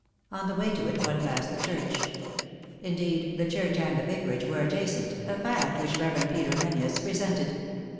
On the way to it one passed the church. Indeed, the church and the vicarage were adjacent, a fact which the Rev. Peter Menzies resented.